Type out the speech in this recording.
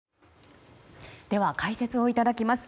では解説をいただきます。